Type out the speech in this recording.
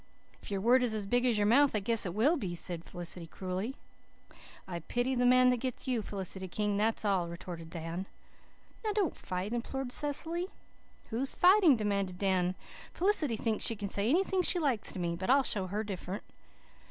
"If your word is as big as your mouth I guess it will be," said Felicity cruelly. "I pity the man who gets you, Felicity King, that's all," retorted Dan. "Now, don't fight," implored Cecily. "Who's fighting?" demanded Dan. "Felicity thinks she can say anything she likes to me, but I'll show her different."